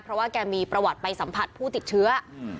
เพราะว่าแกมีประวัติไปสัมผัสผู้ติดเชื้อ